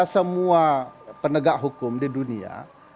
semua penegak hukum di dunia